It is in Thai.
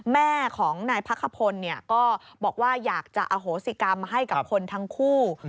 แม่ของนายพักขพลก็บอกว่าอยากจะอโหสิกรรมให้กับคนทั้งคู่